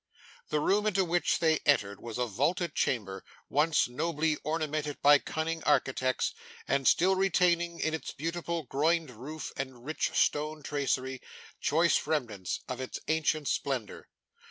The room into which they entered was a vaulted chamber once nobly ornamented by cunning architects, and still retaining, in its beautiful groined roof and rich stone tracery, choice remnants of its ancient splendour.